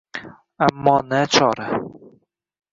Ammo nachora?..